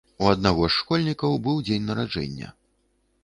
У аднаго з школьнікаў быў дзень нараджэння.